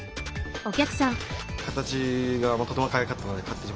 形がとてもかわいかったので買ってしまいました。